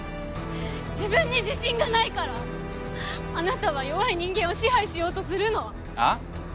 自分に自信がないからあなたは弱い人間を支配しようとするの！はあ！？